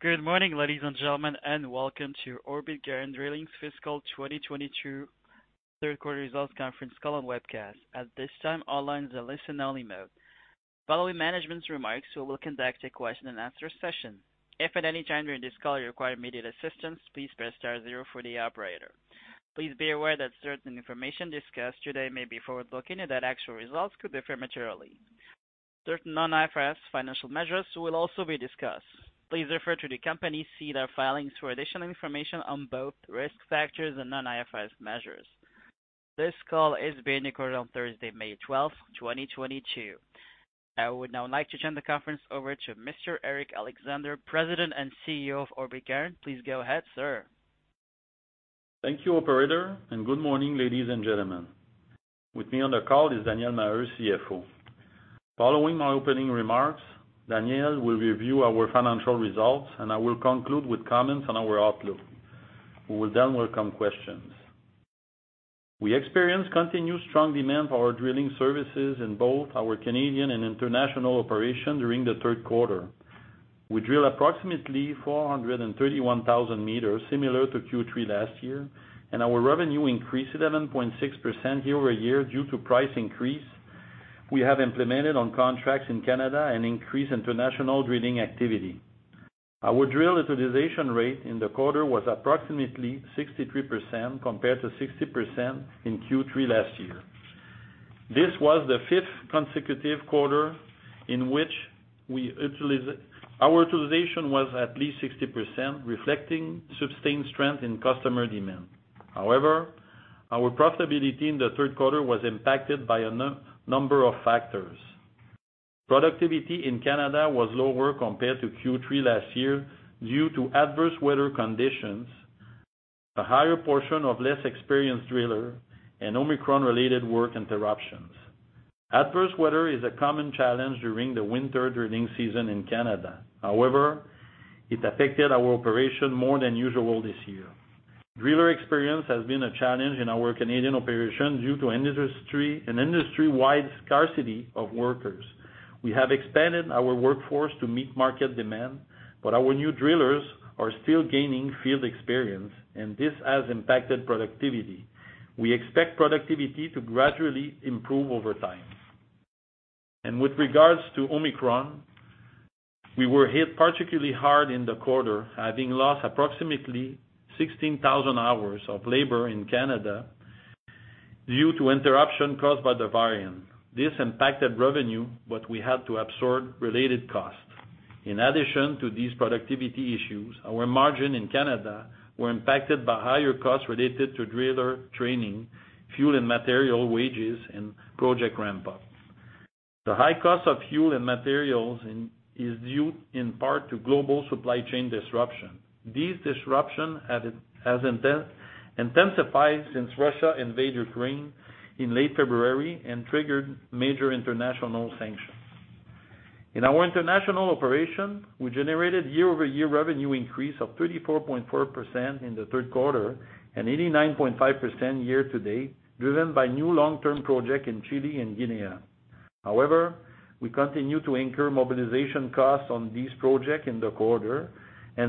Good morning, ladies and gentlemen, and welcome to Orbit Garant Drilling's Fiscal 2022 Third Quarter Results Conference Call and Webcast. At this time, all lines are listen-only mode. Following management's remarks, we will conduct a question-and-answer session. If at any time during this call you require immediate assistance, please press star zero for the operator. Please be aware that certain information discussed today may be forward-looking, and that actual results could differ materially. Certain non-IFRS financial measures will also be discussed. Please refer to the company's SEDAR filings for additional information on both risk factors and non-IFRS measures. This call is being recorded on Thursday, May 12, 2022. I would now like to turn the conference over to Mr. Eric Alexandre, President and CEO of Orbit Garant. Please go ahead, sir. Thank you, operator, and good morning, ladies and gentlemen. With me on the call is Daniel Maheu, CFO. Following my opening remarks, Daniel will review our financial results, and I will conclude with comments on our outlook. We will then welcome questions. We experienced continued strong demand for our drilling services in both our Canadian and international operations during the third quarter. We drilled approximately 431,000 meters, similar to Q3 last year, and our revenue increased 11.6% year-over-year due to price increase we have implemented on contracts in Canada and increased international drilling activity. Our drill utilization rate in the quarter was approximately 63%, compared to 60% in Q3 last year. This was the fifth consecutive quarter in which our utilization was at least 60%, reflecting sustained strength in customer demand. However, our profitability in the third quarter was impacted by a number of factors. Productivity in Canada was lower compared to Q3 last year due to adverse weather conditions, a higher portion of less experienced drillers, and Omicron-related work interruptions. Adverse weather is a common challenge during the winter drilling season in Canada. However, it affected our operations more than usual this year. Driller experience has been a challenge in our Canadian operations due to an industry-wide scarcity of workers. We have expanded our workforce to meet market demand, but our new drillers are still gaining field experience, and this has impacted productivity. We expect productivity to gradually improve over time. With regards to Omicron, we were hit particularly hard in the quarter, having lost approximately 16,000 hours of labor in Canada due to interruptions caused by the variant. This impacted revenue, but we had to absorb related costs. In addition to these productivity issues, our margin in Canada were impacted by higher costs related to driller training, fuel and material wages, and project ramp-up. The high cost of fuel and materials is due in part to global supply chain disruption. This disruption has intensified since Russia invaded Ukraine in late February and triggered major international sanctions. In our international operation, we generated year-over-year revenue increase of 34.4% in the third quarter and 89.5% year-to-date, driven by new long-term project in Chile and Guinea. However, we continue to incur mobilization costs on these projects in the quarter.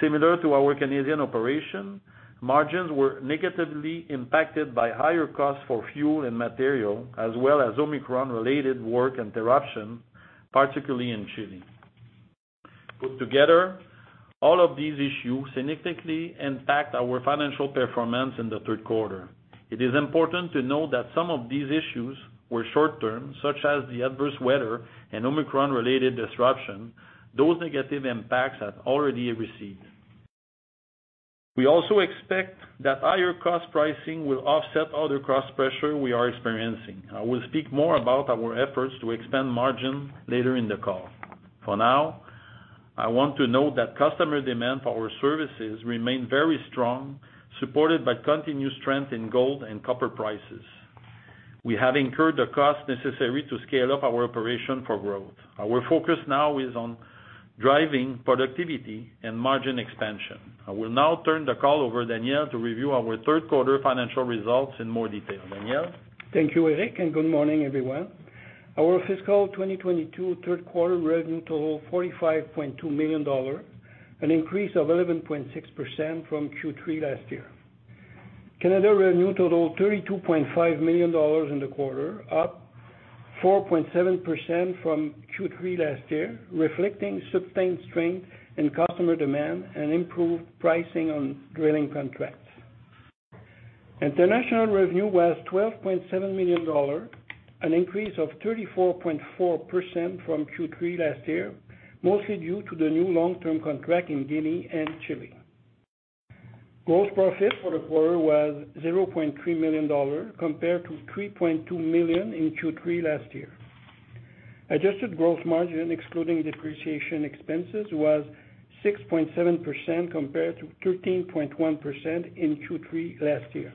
Similar to our Canadian operation, margins were negatively impacted by higher costs for fuel and material, as well as Omicron-related work interruption, particularly in Chile. Put together, all of these issues significantly impact our financial performance in the third quarter. It is important to note that some of these issues were short-term, such as the adverse weather and Omicron-related disruption. Those negative impacts have already receded. We also expect that higher cost pricing will offset other cost pressure we are experiencing. I will speak more about our efforts to expand margin later in the call. For now, I want to note that customer demand for our services remain very strong, supported by continued strength in gold and copper prices. We have incurred the cost necessary to scale up our operation for growth. Our focus now is on driving productivity and margin expansion. I will now turn the call over to Daniel to review our third quarter financial results in more detail. Daniel? Thank you, Eric, and good morning, everyone. Our fiscal 2022 Third Quarter Revenue totaled $45.2 million, an increase of 11.6% from Q3 last year. Canada revenue totaled $32.5 million in the quarter, up 4.7% from Q3 last year, reflecting sustained strength in customer demand and improved pricing on drilling contracts. International revenue was $12.7 million, an increase of 34.4% from Q3 last year, mostly due to the new long-term contract in Guinea and Chile. Gross profit for the quarter was $0.3 million compared to $3.2 million in Q3 last year. Adjusted gross margin, excluding depreciation expenses, was 6.7% compared to 13.1% in Q3 last year.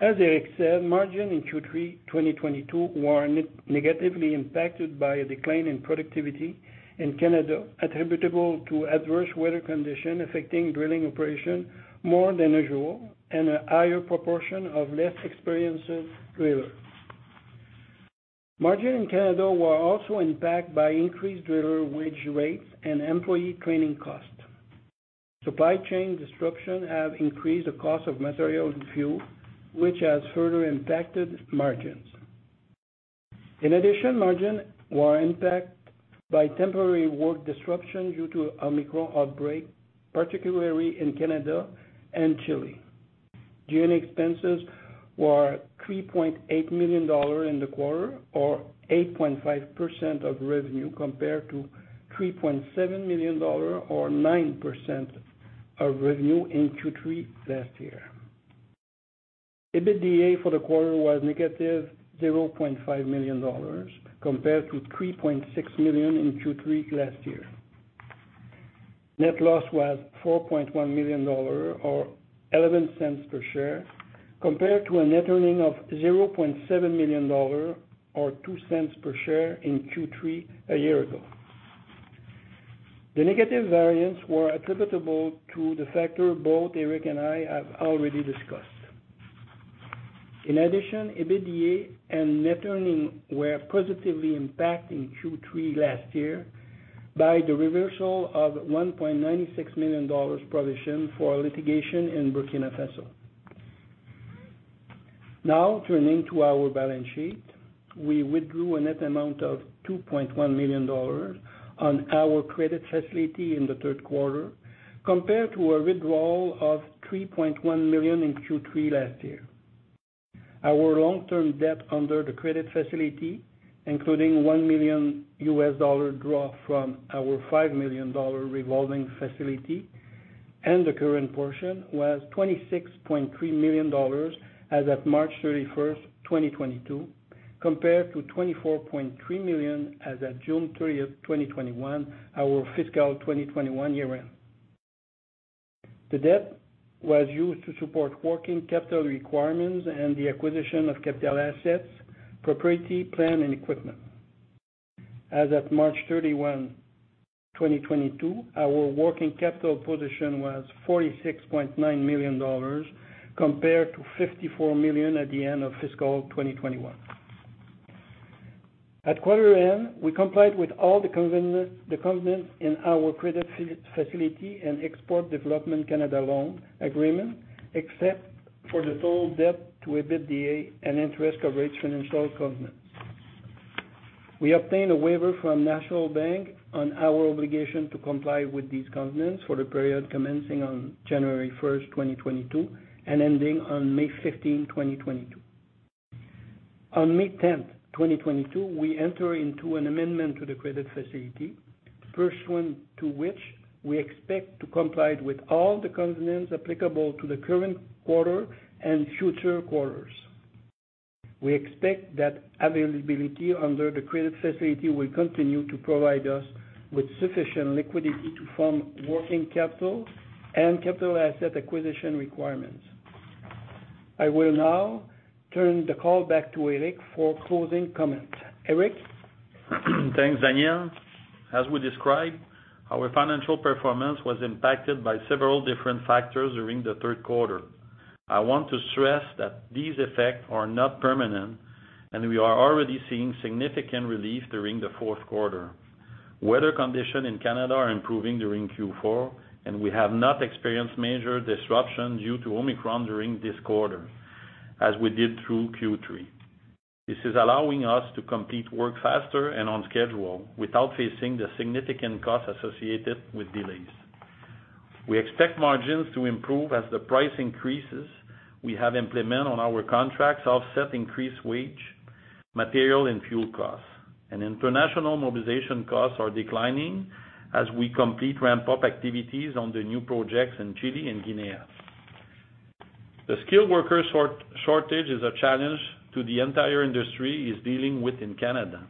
As Eric said, margins in Q3 2022 were negatively impacted by a decline in productivity in Canada attributable to adverse weather conditions affecting drilling operations more than usual and a higher proportion of less experienced drillers. Margins in Canada were also impacted by increased driller wage rates and employee training costs. Supply chain disruptions have increased the cost of materials and fuel, which has further impacted margins. In addition, margins were impacted by temporary work disruptions due to Omicron outbreak, particularly in Canada and Chile. G&A expenses were $3.8 million in the quarter, or 8.5% of revenue compared to $3.7 million or 9% of revenue in Q3 last year. EBITDA for the quarter was $-0.5 million compared to $3.6 million in Q3 last year. Net loss was $4.1 million or $0.11 per share compared to a net earnings of $0.7 million or $0.02 per share in Q3 a year ago. The negative variance were attributable to the factor both Eric and I have already discussed. In addition, EBITDA and net earnings were positively impacted in Q3 last year by the reversal of $1.96 million provision for litigation in Burkina Faso. Now turning to our balance sheet. We withdrew a net amount of $2.1 million on our credit facility in the third quarter compared to a withdrawal of $3.1 million in Q3 last year. Our long-term debt under the credit facility, including $1 million draw from our $5 million revolving facility, and the current portion was $26.3 million as of March 31, 2022, compared to $24.3 million as at June 30, 2021, our fiscal 2021 year end. The debt was used to support working capital requirements and the acquisition of capital assets, property, plant, and equipment. As of March 31, 2022, our working capital position was $46.9 million, compared to $54 million at the end of fiscal 2021. At quarter end, we complied with all the covenants in our credit facility and Export Development Canada loan agreement, except for the total debt to EBITDA and interest coverage financial covenants. We obtained a waiver from National Bank of Canada on our obligation to comply with these covenants for the period commencing on January 1, 2022 and ending on May 15, 2022. On May 10, 2022, we enter into an amendment to the credit facility, first one to which we expect to comply with all the covenants applicable to the current quarter and future quarters. We expect that availability under the credit facility will continue to provide us with sufficient liquidity to fund working capital and capital asset acquisition requirements. I will now turn the call back to Eric for closing comments. Eric? Thanks, Daniel. As we described, our financial performance was impacted by several different factors during the third quarter. I want to stress that these effects are not permanent, and we are already seeing significant relief during the fourth quarter. Weather conditions in Canada are improving during Q4, and we have not experienced major disruption due to Omicron during this quarter, as we did through Q3. This is allowing us to complete work faster and on schedule without facing the significant costs associated with delays. We expect margins to improve as the price increases we have implemented on our contracts offset increased wage, material, and fuel costs. International mobilization costs are declining as we complete ramp-up activities on the new projects in Chile and Guinea. The skilled worker shortage is a challenge that the entire industry is dealing with in Canada.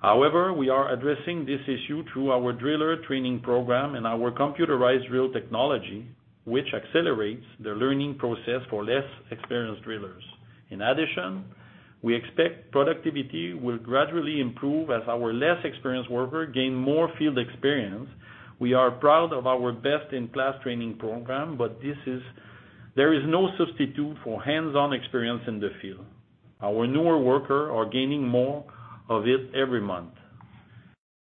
However, we are addressing this issue through our driller training program and our computerized drill technology, which accelerates the learning process for less experienced drillers. In addition, we expect productivity will gradually improve as our less experienced workers gain more field experience. We are proud of our best-in-class training program, but there is no substitute for hands-on experience in the field. Our newer workers are gaining more of it every month.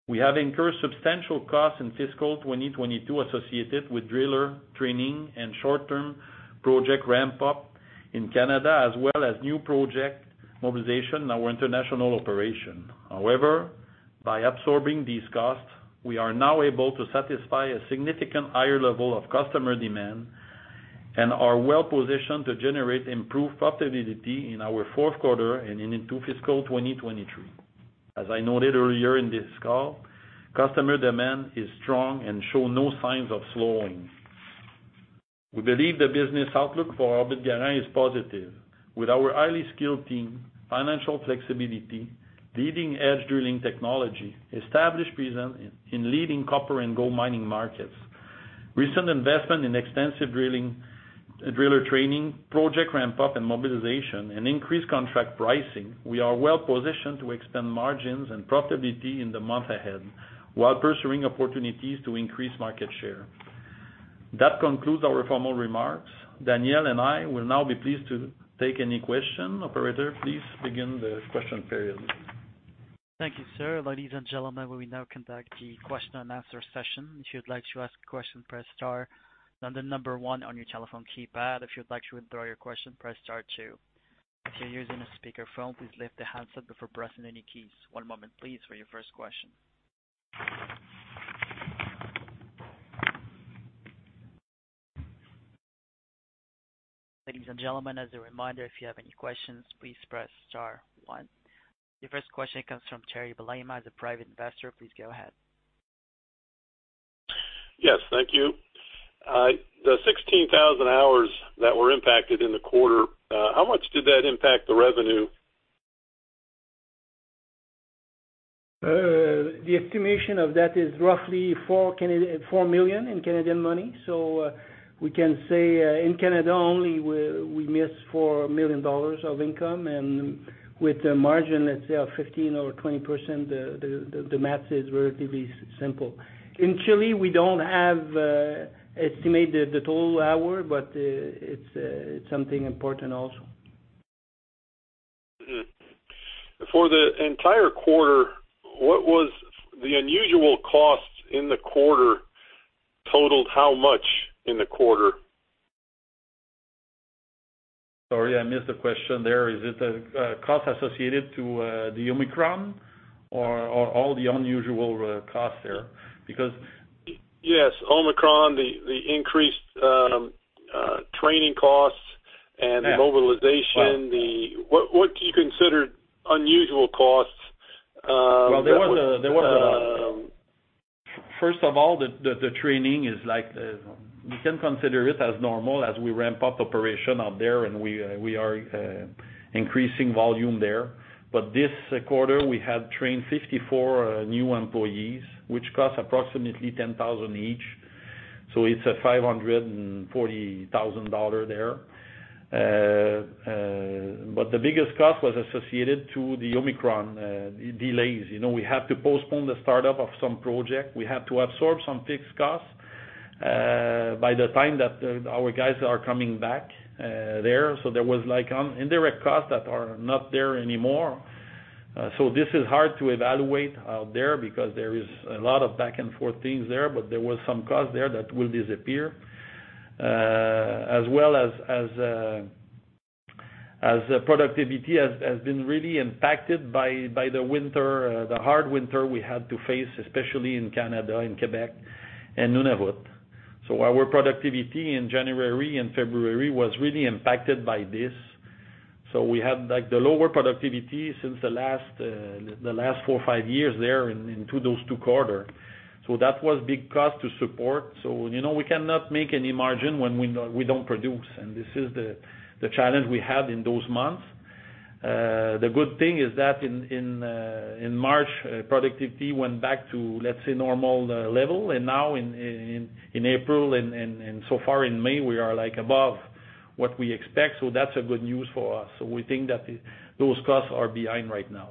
We have incurred substantial costs in fiscal 2022 associated with driller training and short-term project ramp-up in Canada, as well as new project mobilization in our international operations. However, by absorbing these costs, we are now able to satisfy a significantly higher level of customer demand and are well positioned to generate improved profitability in our fourth quarter and into fiscal 2023. As I noted earlier in this call, customer demand is strong and show no signs of slowing. We believe the business outlook for Orbit Garant is positive. With our highly skilled team, financial flexibility, leading-edge drilling technology, established presence in leading copper and gold mining markets, recent investment in extensive drilling, driller training, project ramp-up and mobilization, and increased contract pricing, we are well positioned to expand margins and profitability in the months ahead while pursuing opportunities to increase market share. That concludes our formal remarks. Daniel and I will now be pleased to take any question. Operator, please begin the question period. Thank you, sir. Ladies and gentlemen, we will now conduct the question and answer session. If you'd like to ask a question, press star, then the number one on your telephone keypad. If you'd like to withdraw your question, press star two. If you're using a speakerphone, please lift the handset before pressing any keys. One moment please for your first question. Ladies and gentlemen, as a reminder, if you have any questions, please press star one. Your first question comes from Terry Balema, the private investor. Please go ahead. Yes, thank you. The 16,000 hours that were impacted in the quarter, how much did that impact the revenue? The estimation of that is roughly 4 million in Canadian money. We can say, in Canada only we missed 4 million dollars of income and with the margin, let's say of 15%-20%, the math is relatively simple. In Chile, we don't have estimated the total hour, but it's something important also. For the entire quarter, the unusual costs in the quarter totaled how much in the quarter? Sorry, I missed the question there. Is it the cost associated to the Omicron or all the unusual costs there? Yes. Omicron, the increased training costs and- Yes. The mobilization. Well- What do you consider unusual costs? That was Well, there was first of all, the training is like you can consider it as normal as we ramp up operation out there, and we are increasing volume there. But this quarter, we have trained 54 new employees, which cost approximately 10,000 each, so it's a $540,000 there. But the biggest cost was associated to the Omicron delays. You know, we have to postpone the start-up of some project. We have to absorb some fixed costs by the time that our guys are coming back there. There was like indirect costs that are not there anymore. This is hard to evaluate out there because there is a lot of back and forth things there, but there was some costs there that will disappear. As well as productivity has been really impacted by the hard winter we had to face, especially in Canada and Quebec and Nunavut. Our productivity in January and February was really impacted by this. We had like the lower productivity since the last four or five years there in those two quarters. That was big cost to support. You know, we cannot make any margin when we don't produce, and this is the challenge we had in those months. The good thing is that in March productivity went back to, let's say, normal level. Now in April and so far in May, we are like above what we expect, so that's a good news for us. We think that those costs are behind right now.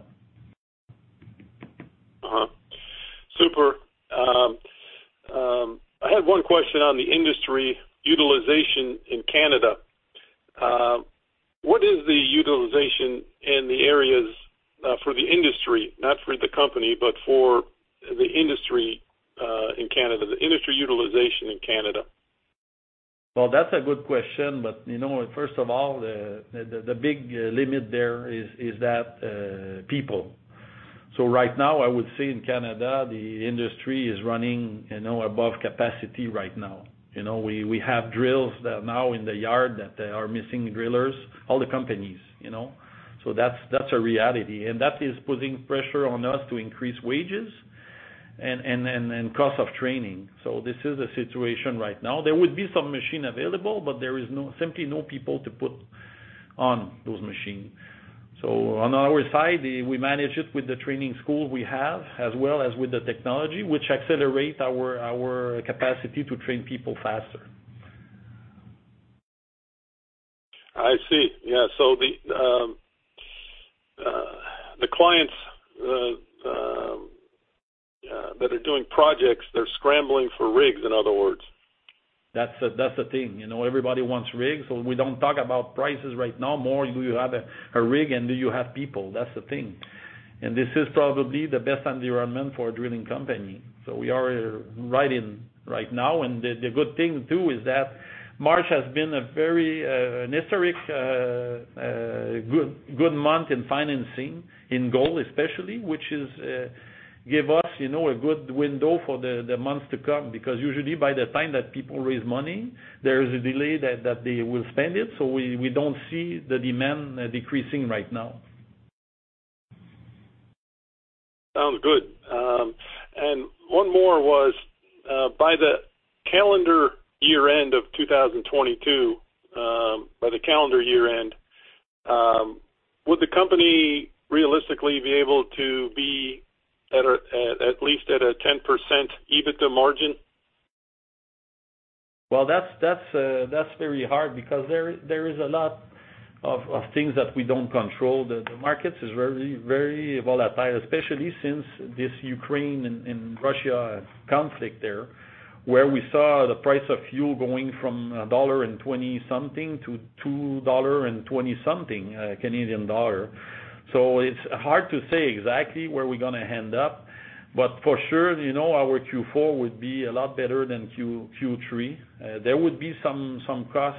Super. I have one question on the industry utilization in Canada. What is the utilization in the areas, for the industry, not for the company, but for the industry, in Canada, the industry utilization in Canada? Well, that's a good question, but you know, first of all, the big limit there is people. Right now, I would say in Canada, the industry is running, you know, above capacity right now. You know, we have drills that now in the yard that they are missing drillers, all the companies, you know? That's a reality. That is putting pressure on us to increase wages and cost of training. This is a situation right now. There would be some machine available, but there is no, simply no people to put on those machines. On our side, we manage it with the training school we have, as well as with the technology, which accelerate our capacity to train people faster. I see. Yeah. The clients that are doing projects, they're scrambling for rigs, in other words. That's the thing. You know, everybody wants rigs, so we don't talk about prices right now more. Do you have a rig and do you have people? That's the thing. This is probably the best environment for a drilling company. We are right in right now and the good thing too is that March has been a very historic good month in financing, in gold especially, which gives us, you know, a good window for the months to come. Because usually by the time that people raise money, there is a delay that they will spend it. We don't see the demand decreasing right now. Sounds good. One more was, by the calendar year end of 2022, would the company realistically be able to be at least at a 10% EBITDA margin? Well, that's very hard because there is a lot of things that we don't control. The markets is very volatile, especially since this Ukraine and Russia conflict there, where we saw the price of fuel going from 1.20-something dollar to 2.20-something Canadian dollar. It's hard to say exactly where we're gonna end up, but for sure, you know, our Q4 would be a lot better than Q3. There would be some cost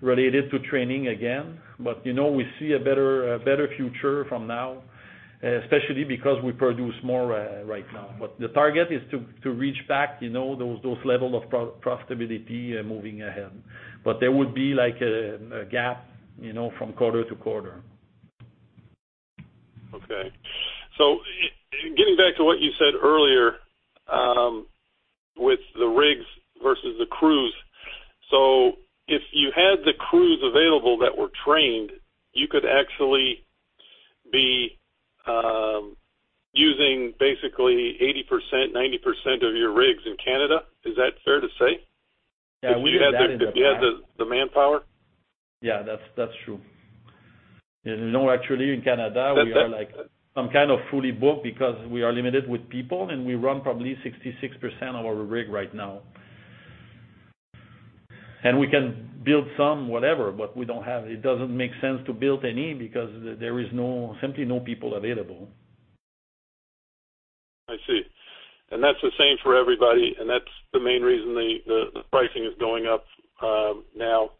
related to training again. You know, we see a better future from now, especially because we produce more right now. The target is to reach back, you know, those level of profitability moving ahead. There would be like a gap, you know, from quarter to quarter. Okay. Getting back to what you said earlier, with the rigs versus the crews. If you had the crews available that were trained, you could actually be using basically 80%, 90% of your rigs in Canada. Is that fair to say? Yeah. We have that in the past. If you had the manpower. Yeah, that's true. You know, actually in Canada, we are like some kind of fully booked because we are limited with people, and we run probably 66% of our rig right now. We can build some whatever, but it doesn't make sense to build any because simply no people available. I see. That's the same for everybody, and that's the main reason the pricing is going up now.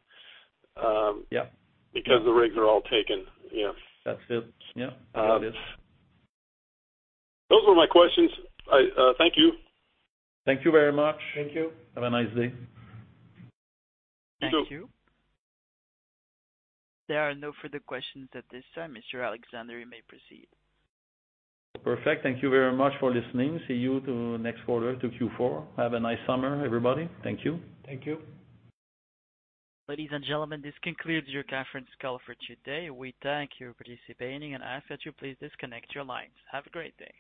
Yeah. Because the rigs are all taken, yes. That's it. Yeah. It is. Those were my questions. Thank you. Thank you very much. Thank you. Have a nice day. You too. Thank you. There are no further questions at this time. Mr. Alexandre, you may proceed. Perfect. Thank you very much for listening. See you to next quarter, to Q4. Have a nice summer, everybody. Thank you. Thank you. Ladies and gentlemen, this concludes your conference call for today. We thank you for participating and ask that you please disconnect your lines. Have a great day.